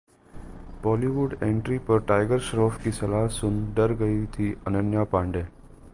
Bollywood entry पर टाइगर श्रॉफ की सलाह सुन डर गई थीं अनन्या पांडे